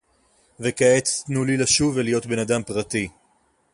וכעת תנו לי לשוב ולהיות בן־אדם פרטי